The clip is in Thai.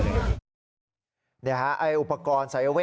ดูอุปกรณ์โศรีใจรวบคุณต่าง